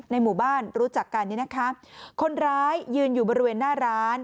หมู่บ้านรู้จักกันเนี่ยนะคะคนร้ายยืนอยู่บริเวณหน้าร้าน